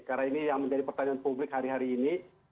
karena ini yang menjadi pertanyaan publik hari hari ini